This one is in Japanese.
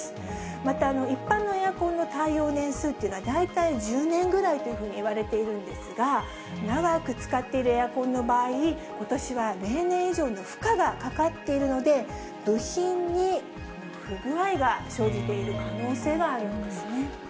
また、一般のエアコンの耐用年数というのは、大体１０年ぐらいというふうにいわれているんですが、長く使っているエアコンの場合、ことしは例年以上に負荷がかかっているので、部品に不具合が生じている可能性があるんですね。